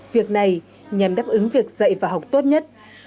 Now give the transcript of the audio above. việc này nhằm đáp ứng việc dạy và học tốt nhất